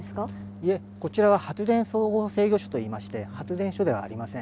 いえこちらは発電総合制御所といいまして発電所ではありません。